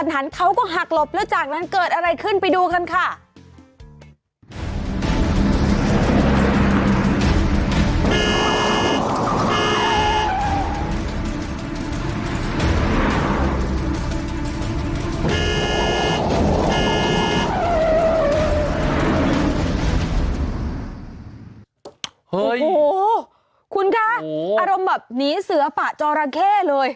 โอ้โหคุณคะอารมณ์แบบหนีเสือปะจอราเข้เลย